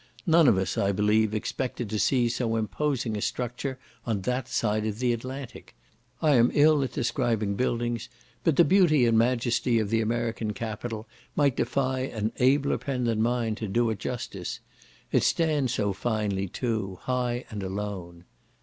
None of us, I believe, expected to see so imposing a structure on that side of the Atlantic. I am ill at describing buildings, but the beauty and majesty of the American capitol might defy an abler pen than mine to do it justice. It stands so finely too, high, and alone.